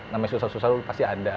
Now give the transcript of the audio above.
namanya susah susah pasti ada